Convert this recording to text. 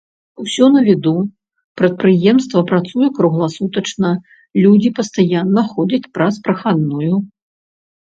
Усё на віду, прадпрыемства працуе кругласутачна, людзі пастаянна ходзяць праз прахадную.